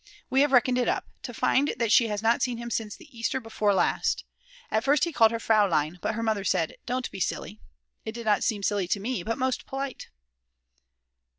We have reckoned it up, and find that she has not seen him since the Easter before last. At first he called her Fraulein, but her mother said: Don't be silly. It did not seem silly to me, but most polite!!!